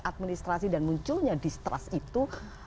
administrasi dan munculnya distrust itu